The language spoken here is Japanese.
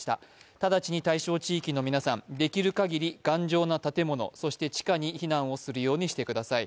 直ちに対象地域の皆さん、できる限り頑丈な建物、そして地下に避難をするようにしてください。